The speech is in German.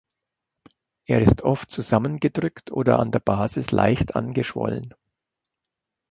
Er ist oft zusammengedrückt oder an der Basis leicht angeschwollen.